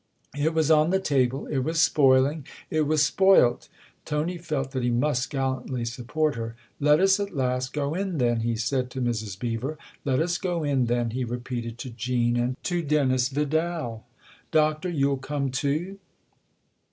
It was on the table it was spoiling it was spoilt ! Tony felt that he must gallantly support her. " Let us at last go in then," he said to Mrs. Beever. " Let us go in then," he repeated to Jean and to Dennis Vidal. " Doctor, you'll come too